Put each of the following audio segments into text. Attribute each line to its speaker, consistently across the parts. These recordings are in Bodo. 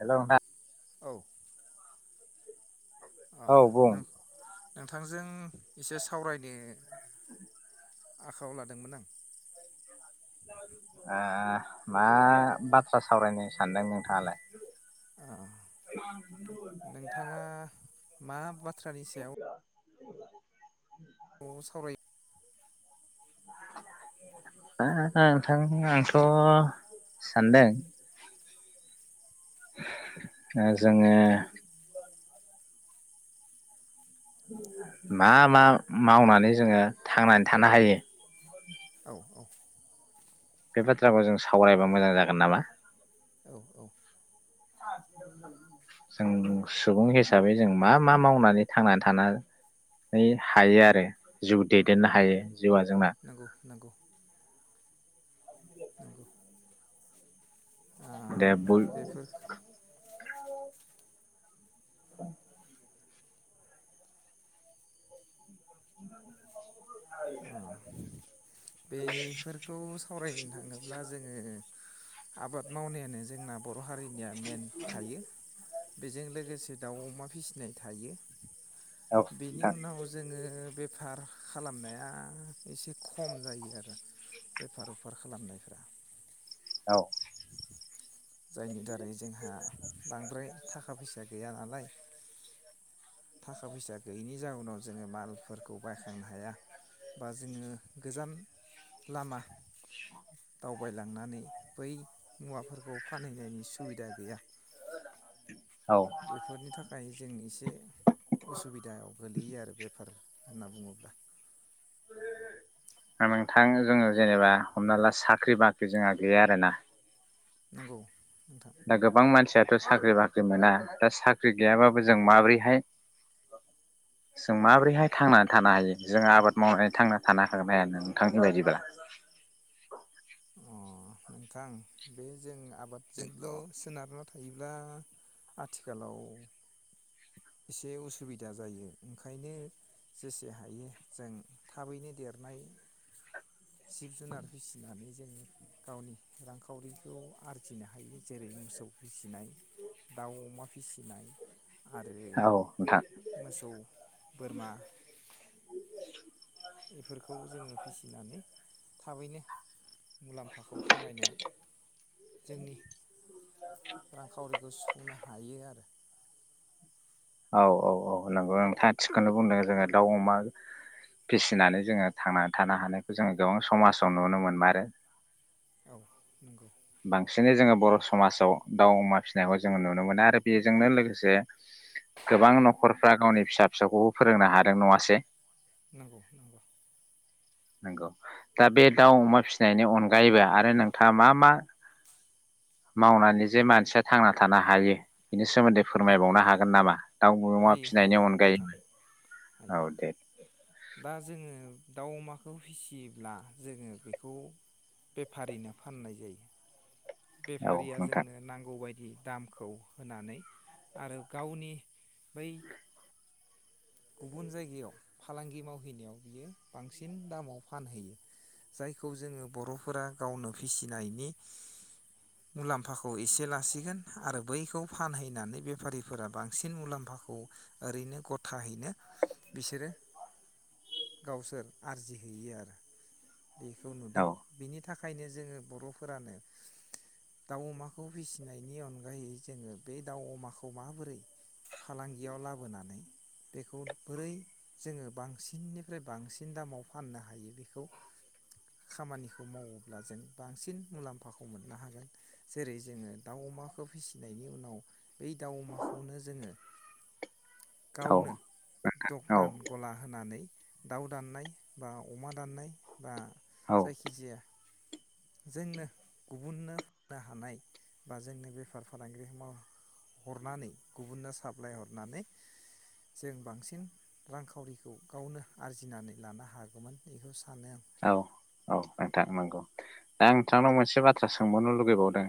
Speaker 1: हेल ना
Speaker 2: औ अ
Speaker 1: औ बुं
Speaker 2: नोंथां नोंथांजों एसे सावरायनो बे आखायाव लादोंमोन आं
Speaker 1: ए मा बाथ्रा सावरायनो? सानदों नोंथाङालाय?
Speaker 2: अ नोंथाङा मा बाथ्रानि सायाव
Speaker 1: [inaudible]
Speaker 2: न सावराय
Speaker 1: नोंथां आंथ सानदों जोङो मा मा मावनानै जोङो थांनानै थानो हायो
Speaker 2: औ औ
Speaker 1: बे बाथ्राखौ जों सावरायबा मोजां जागोन नामा
Speaker 2: औ औ
Speaker 1: जों सुबुं हिसाबै जों मा मा मावनानै थांनानै हायो आरो जिउ दैदेननो हायो जिउआ जोंना
Speaker 2: नंगौ नंगौ नंगौ ओ
Speaker 1: दे बय
Speaker 2: बेफोर
Speaker 1: [inaudible]
Speaker 2: ओ
Speaker 1: [inaudible]
Speaker 2: बेफोरखौ सावरायनो थाङोब्ला जोङो आबाद मावनायानो जोंना बर हारिनिया मेन थायो बेजों लोगोसे दाउ अमा फिसिनाय थायो
Speaker 1: औ
Speaker 2: बेनि
Speaker 1: नोंथां
Speaker 2: उनाव जोङो बे फार खालामनाया एसे खम जायो आरो बेफार उफार खालामनायफ्रा।
Speaker 1: औ
Speaker 2: जायनि दारै जोंहा बांद्राय थाखा फैसा। गैया नालाय थाखा फैसा गैयिनि जाउनाव जोङो मालफोरखौ बायखांनो हाया बा जोङो गोजान लामा। अबयलांनानै बै मुवाफोरखौ। फानहैनायनि सुबिदा गैया
Speaker 1: औ
Speaker 2: बेफोरनि थाखाय जों एसे उसुबिदायाव गोलैयो आरो बेफार होन्ना बुङोब्ला।
Speaker 1: [unintelligible] थांङो जोङो जेनेबा हमना ला साख्रि बाख्रि जोंहा गैया आरोना।
Speaker 2: नंगौ। नोंथां
Speaker 1: दा गोबां मानसिया थ साख्रि बाख्रि मोना दा साख्रि गैयाबाबो जों माब्रैहाय जों माब्रैहाय थांनानै थानो हायो जों आबाद मावनानै थांना थानो हागोन हाया नोंथांनि बायदिब्ला?
Speaker 2: अ नोंथां बे जों आबादजों सोनारना थायोब्ला आथिखालाव एसे उसुबिदा जायो ओंखायनो जेसे हायो जों थाबैनो देरनाय जिब जुनार फिसिनानै जोंनि गावनि रांखावरिखौ आर सिनो हायो जेरै मोसौ फिसिनाय दाउ अमा फिसिनाय। आरो
Speaker 1: औ नोंथां
Speaker 2: मोसौ बोरमा। बेफोर खौ जोङो फिसिनानै थाबैनो। मुलाम्फाखौ खामायना जोंनि रांखावरिखौ सुफुंनो हायो आरो।
Speaker 1: औ औ औ नंगौ नोंथाङा थिगखौनो बुंदों जोङो दाउ अमा फिसिनानै जोङो थांनानै थानो हानायखौ जोङो गोबां समाजाव नुनो मोनमारो।
Speaker 2: औ नंगौ।
Speaker 1: बांसिनै जोङो बर' समाजाव दाउ अमा फिसिनायखौ जोङो नुनो मोनो आरो बेजोंनो लोगोसे गोबां नख'रफ्रा गावनि फिसा फिसौखौबो फोरोंनो हादों नङासै।
Speaker 2: नंगौ नगौ।
Speaker 1: नंगौ दा बे दाउ अमा फिनायनि अनगायैबो आरो नोंथाङा मा मा मावनानै जे मानसिया थांना थानो हायो। बिनि सोमोन्दै
Speaker 2: औ
Speaker 1: फोरमायबावनो हागोन नामा? दाउ अमा
Speaker 2: हायो
Speaker 1: फिनायनि
Speaker 2: हायो नोंथां
Speaker 1: अनगायैबो
Speaker 2: हायो
Speaker 1: औ दे
Speaker 2: दा जोङो दाउ अमाखौ फिसियोब्ला जोङो बेखौ बेफारिनो फाननाय जायो।
Speaker 1: औ
Speaker 2: बेफारिया
Speaker 1: नोंथां
Speaker 2: जोंनो नांगौबाय दि दामखौ होनानै आरो गावनि बै गुबुन जायगायाव फालांगि मावहैनायाव बियो बांसिन दामाव फानहैयो जायखौ जोङो बर'फोरा गावनो फिसिनायनि मुलाम्फाखौ एसे लासिगोन आरो बैखौ फानहैनानै बेफारिफोरा बांसिन मुलाम्फाखौ ओरैनो गथाहै नो बिसोरो गावसोर आरजिहैयो आरो। बेखौ
Speaker 1: औ
Speaker 2: नुदों बिनि था थाखायनो जोङो बर'फोरानो दाउ अमाखौ फिसिनायनि अनगायै जोङो बे दाउ अमाखौ माबोरै फालांगियाव लाबोनानै बेखौ बोरै जोङो बांसिननिफ्राय बांसिन दामाव फाननो हायो बेखौ। खामानिखौ मावोब्ला जों बांसिन मुलाम्फाखौ मोननो हागोन जेरै जोङो दाउ अमाखौ फिसिनायनि उनाव बै दाउ अमाखौनो जोङो
Speaker 1: औ
Speaker 2: गावनो दखान गला होनानै दाउ दाननाय बा अमा दाननाय बा
Speaker 1: औ
Speaker 2: जायखिजाया जोंनो गुबुननो नो हानाय बा जोंनो बेफार फालांगि माव हरनानै गुबुननो साप्लाइ हरनानै जों बांसिन रांखावरिखौ गावनो आरजिनानै लानो हागौमोन इखौ सानो। आं
Speaker 1: औ-औ नोंथां नंगौ दा नोंथांनाव मोनसे बाथ्रा सोंबावनो लुगैबावदों।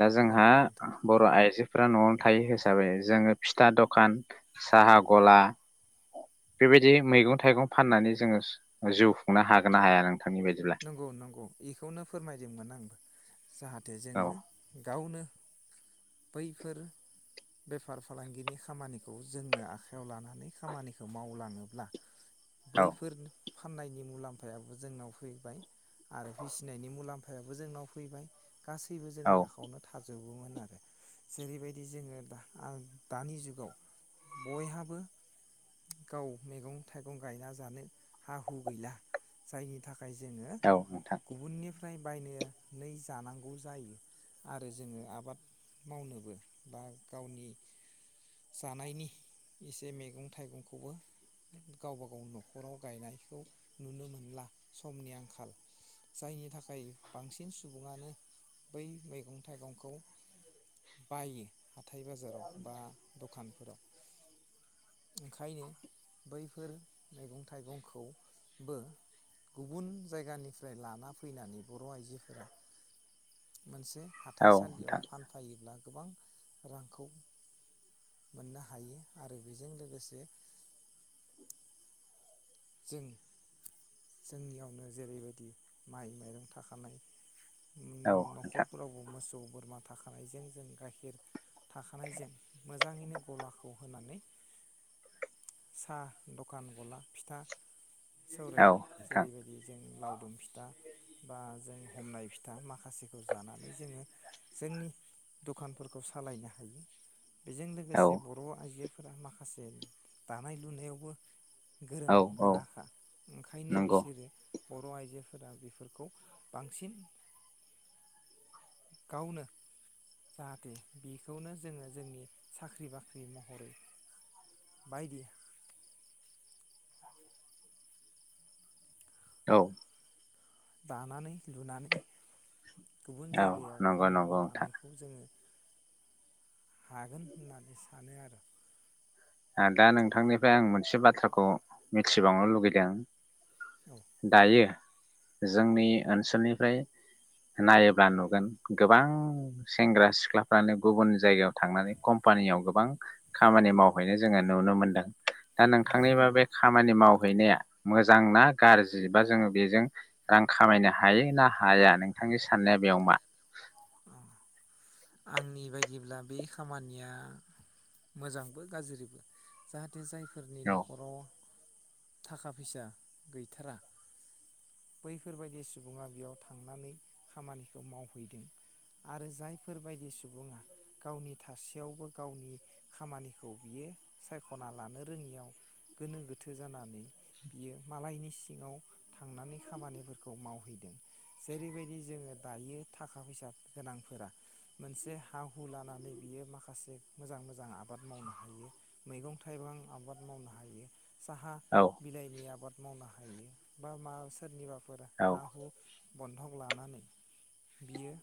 Speaker 1: दा
Speaker 2: औ
Speaker 1: जोंहा
Speaker 2: नोंथां
Speaker 1: बर' आइजोफोरा नआवनो थायो हिसाबै जोङो फिथा दखान साहा गला बेबायदि मैगं थाइगं फाननानै जोङो जिउ खुंनो हागोन ना हाया नों
Speaker 2: नंगौ-नंगौ इखौनो फोरमायदोंमोन आंबो जाहाथे
Speaker 1: औ
Speaker 2: जोङो गावनो बैफोर बेफार फालांगिनि खामानिखौ जोंनो आखायाव लानानै खामानिखौ मावलाङोब्ला
Speaker 1: औ
Speaker 2: बैफोर फाननायनि मुलाम्फायाबो जोंनाव फैबाय आरो फिसिनायनि मुलाम्फायाबो जोंनाव फैबाय। गासैबो
Speaker 1: औ
Speaker 2: जोंनि आखाइआवनो थाजोब गौमोन आरो जेरैबायदि जोङो दा आं दानि जुगाव बयहाबो गाव मैगं थाइगं गायना जानो हा हु गैला जायनि खाय जोङो
Speaker 1: औ नोंथां
Speaker 2: गुबुननि फ्राय बायनानै जानांगौ जायो आरो जोङो आबाद मावनोबो बा गावनि जानायनि एसे मैगं थाइगंखौबो गावबा गाव नखराव गायनायखौ नुनो मोनला। समनि आंखाल जायनि थाखाय बांसिन सुबुङानो बै मैगं थाइगंखौ बायो। हाथाय बाजाराव बा दखान फोराव ओंखायनो बैफोर मैगं थाइगंखौबो गुबुन जायगानिफ्राय लाना फैनानै बर' आइजोफोरा मोनसे
Speaker 1: औ
Speaker 2: हाथाइसालियाव
Speaker 1: नोंथां
Speaker 2: फानफायोब्ला गोबां रांखौ मोननो हायो आरो बेजों लोगोसे जों जोंनियावनो जेरैबायदि माइ माइरं थाखानाय
Speaker 1: औ नोंथां
Speaker 2: नखरफोरावबो मोसौ बोरमा थाखानायजों जों गाइखेर थाखानायजों मोजां मोजाङैनो गलाखौ होनानै साहा दखान गला फिथा सावराय
Speaker 1: औ नोंथां
Speaker 2: जेरैबायदि जों लावदुम फिथा बा जों हमनाय फिथा माखा माखासेखौ जानानै जोङो जोंनि दखानफोरखौ सालायनो हायो। बेजों
Speaker 1: औ
Speaker 2: लोगोसे बर' आइजोफोर फोरा माखासे दानाय लुनायावबो गोरों
Speaker 1: औ औ
Speaker 2: गोराखा ओंखायनो
Speaker 1: नंगौ
Speaker 2: बिसोरो बर आइजोफोरा बेफोरखौ बांसिन गावनो जाहाथे बेखौनो जोङो जोंनि साख्रि बाख्रि महरै बायदि
Speaker 1: औ।
Speaker 2: दानानै लुनानै गुबुन
Speaker 1: औ
Speaker 2: जायगायाव
Speaker 1: नंगौ नंगौ
Speaker 2: फानहरनो
Speaker 1: नोंथां
Speaker 2: हानायखौ जोङो हागोन होननानै सानो आरो
Speaker 1: ओ दा नोंथांनिफ्राय आं मोनसे बाथ्राखौ मिथिबावनो लुगैदों
Speaker 2: औ
Speaker 1: दायो जोंनि ओनसोलनिफ्राय नायोब्ला नुगोन गोबां सेंग्रा सिख्लाफ्रानो गुबुन जायगायाव थांनानै कम्पानियाव गोबां खामानि माव हैनाय जोङो नुनो मोनदों दा नोंथांनिबा
Speaker 2: नंगौ
Speaker 1: बे खामानि माव हैनाया मोजां ना गाज्रि बा जोङो बेजों रां खामायनो हायो ना हाया नोंथांनि साननाया बेयाव मा?
Speaker 2: औ आंनि बायदिब्ला बे खामानिया मोजांबो गाज्रिबो जाहाथे जाय फोरनि
Speaker 1: औ
Speaker 2: न'खराव थाखा फैसा गैथारा बैफोरबायदि सुबुङा बेयाव थांनानै खामानिखौ मावहैदों आरो जाय बेफोरबायदि सुबुङा गावनि थासेयावबो गावनि खामानिखौ बियो सायखना लानो रोङियाव गोनो गोथो जानानै बियो मालायनि सिङाव थांनानै खामानिफोरखौ मावहैदों जेरैबायदि जोङो दायो थाखा फैसा गोनांफोरा मोनसे हा हु लानानै बियो माखासे मोजां मोजां आबाद मावनो हायो मैगं थाइगं आबाद मावनो हायो। साहा
Speaker 1: औ
Speaker 2: बिलाइनि आबाद मावनो हायो बा मा सोरनिबा फोरा
Speaker 1: औ
Speaker 2: हा हु बन्धक लानानै बियो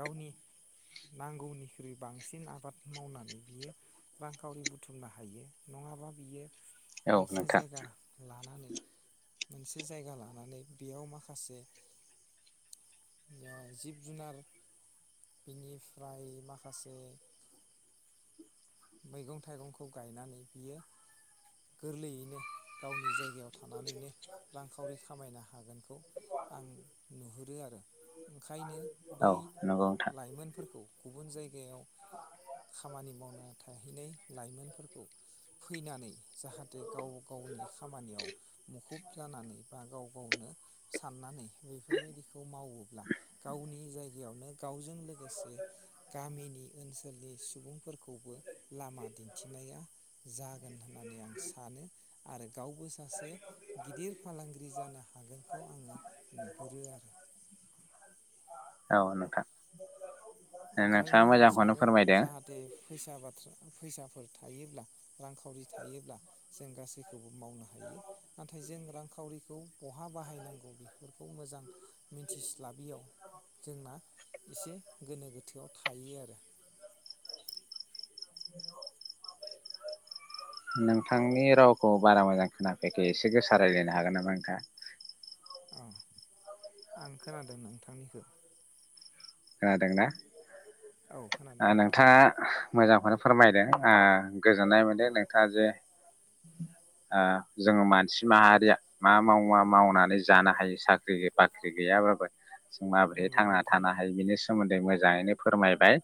Speaker 2: गावनि नांगौनिख्रुइ बांसिन आबाद मावनानै बियो रांखावरि बुथुमनो हायो नङाबा बियो
Speaker 1: औ
Speaker 2: मोनसे
Speaker 1: नोंथां
Speaker 2: जायगा लानानै मोनसे जायगा लानानै बेयाव माखासे ओ जिब-जुनार बिनिफ्राय माखासे मैगं थाइगंखौ गायनानै बियो गोरलैयैनो गावनि जायगा गायाव थानानैनो रांखावरि खामायनो हागोनखौ आं नुहुरो आरो ओंखायनो
Speaker 1: औ
Speaker 2: बै
Speaker 1: नंगौ नोंथां
Speaker 2: लाइमोनफोरखौ गुबुन जाय जायगायाव खामानि मावनो थाहैनाय लाइमोनफोरखौ फैनानै जाहाथे गाव गावनि खामानियाव मुखुब जानानै बा गाव गावनो साननानै बेफोरबायदिखौ मावोब्ला गावनि जायगायावनो गावजों लोगो लोगोसे गामिनि ओनसोल नि सुबुंफोरखौ लामा दिन्थिनाया जागोन होननानै आं सानो आरो गावबो सासे गिदिर फालांगिरि जानो हागोनखौ आङो नुहुरो आरो।
Speaker 1: औ नोंथां।
Speaker 2: ओंखायनो
Speaker 1: नोंथाङा
Speaker 2: आं
Speaker 1: मोजांखौनो
Speaker 2: सानो
Speaker 1: फोरमायदों
Speaker 2: जाहाथे फैसा बाथ्रा फैसाफोर थायोब्ला रांखावरि थायोब्ला जों गासैखौबो मावनो हायो नाथाय जों रांखावरिखौ बहा बाहायनांगौ बेफोरखौ मोजां मिथिस्लाबियाव जोंना एसे गोनो गोथ थोआव थायो आरो
Speaker 1: [inaudible] नोंथांनि रावखौ बारा मोजां खोनाफैयाखै एसे गोसा रायज्लायनो हागोन नामा नोंथाङा।
Speaker 2: औ आं खोनादों नोंथांनिखो
Speaker 1: खोनादोंना। ओ
Speaker 2: खोनादों नोंथां
Speaker 1: नोंथाङा मोजां खौनो फोरमायदों ओ गोजोननाय मोनदों
Speaker 2: औ
Speaker 1: नोंथाङा जे ओ जोङो मानसि माहारिया मा माव मा मावनानै जानो हायो साख्रि बाख्रि गैयाबाबो जों माबोरै
Speaker 2: नंगौ
Speaker 1: थांना
Speaker 2: नोंथां
Speaker 1: थानो हा सोमोन्दै मोजाङैनो फोरमायबाय।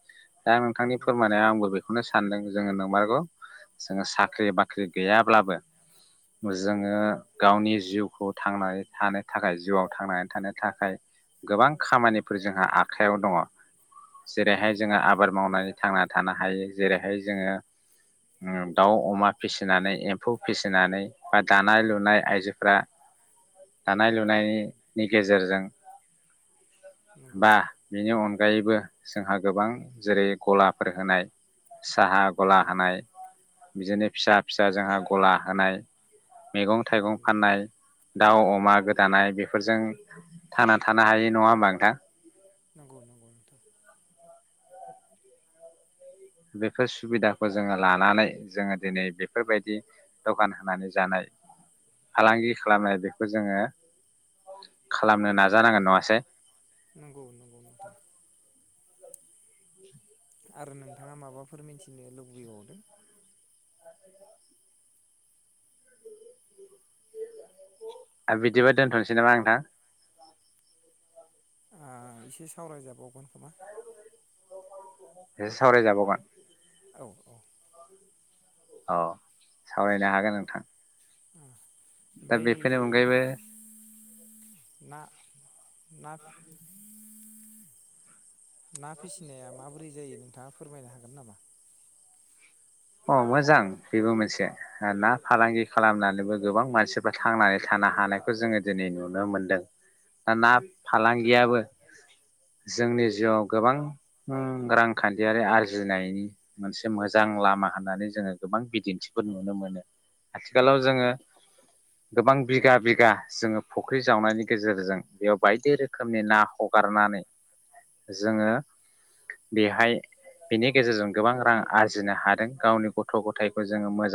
Speaker 1: दा नोंथांनि
Speaker 2: नंगौ नोंथां
Speaker 1: फोरमायनायाव आंबो बेखौनो सा सानदों जोङो नंमारगौ जोङो साख्रि बाख्रि गैयाब्लाबो जोङो गावनि जिउखौ थांनानै थानो थाखाय जिउआव थांनानै थानो थाखाय गोबां खामानिफोर जोंहा आख आखायाव दङ।
Speaker 2: दङ
Speaker 1: जेरैहाय
Speaker 2: दङ
Speaker 1: जोङो आबाद
Speaker 2: नोंथां
Speaker 1: मावनानै थांना थानो हायो जेरैहाय जोङो ओ दाउ अमा फिसिनानै एम्फौ फिसिनानै बा दानाय लुनाय आइजोफोरा दानाय लुनायनि गेजेरजों
Speaker 2: नंगौ
Speaker 1: बा। बेनि अनगायैबो जोंहा गोबां जेरै गलाफोर होनाय साहा गला
Speaker 2: नंगौ
Speaker 1: होनाय
Speaker 2: नोंथां
Speaker 1: बिदिनो फिसा फिसा जोंहा गला होनाय मैगं
Speaker 2: नंगौ
Speaker 1: थाइगं
Speaker 2: नोंथां
Speaker 1: फाननाय दाउ अमा गोदानाय बेफोरजों थांना थानो हायै नङा होमबा नोंथां
Speaker 2: नंगौ नंगौ नोंथां!
Speaker 1: बेफोर सुबिदाखौ जोङो लानानै जोङो दिनै बेफोरबायदि दखान होनानै जानाय फालांगि खालामनाय बेखौ जोङो खालामनो नाजानांगोन नङासै
Speaker 2: नंगौ नंगौ नोंथां। आरो नोंथाङा माबाफोर मिथिनो लुबैबावदों।
Speaker 1: आरो बिदिबा दोनथनोसै नामा नोंथां।
Speaker 2: आ एसे सावरायजाबावगोन खोमा।
Speaker 1: ए सावराय जाबावगोन।
Speaker 2: औ औ
Speaker 1: औ सावरायनो हागोन नोंथां।
Speaker 2: उम।
Speaker 1: दा
Speaker 2: बै
Speaker 1: बेफोरनि अनगायैबो
Speaker 2: ना ना। ना फिसिनाया माबोरै जायो नोंथाङा फोरमायनो हागोन। हागोन नामा।
Speaker 1: अ मोजां बेबो मोनसे ना फालांगि खालामनानैबो गोबां मानसिफ्रा थांनानै थानो हानायखौ जोङो दिनै नुनो मोनदों।
Speaker 2: औ
Speaker 1: ना फालांगि गैयाबो जोंनि जिउआव गोबां रांखान्थियारि आरजिनायनि मोनसे मोजां लामा होननानै जोङो गोबां बिदिन्थिफोर
Speaker 2: औ
Speaker 1: नुनो मोनो आथिखालाव जोङो गोबां बिगा बिगा जोङो फुख्रि जावनायनि गेजेरजों बेयाव बायदि रोखोमनि ना हगारनानै जोङो बेहाय बेनि गेजेरजों गोबां रां आरजिनो हादों। गावनि गथ गथायखौ जोङो मोजां